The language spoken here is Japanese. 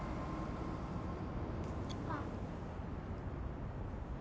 あっ。